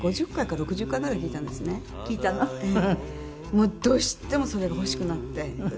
もうどうしてもそれが欲しくなって歌いたくて。